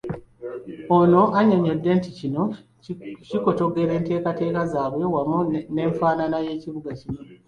Ono annyonnyodde nti kino kikotoggera enteekateeka zaabwe wamu n'enfaanana y'ekibuga kino.